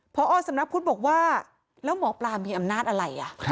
พอสำนักพุทธบอกว่าแล้วหมอปลามีอำนาจอะไร